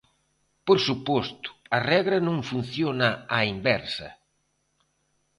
Por suposto, a regra non funciona á inversa.